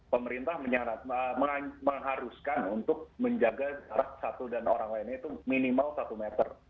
pemerintah mengharuskan untuk menjaga jarak satu dan orang lainnya itu minimal satu meter